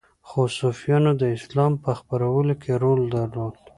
خو صوفیانو د اسلام په خپرولو کې رول درلود